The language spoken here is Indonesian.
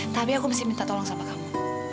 tapi aku masih minta tolong sama kamu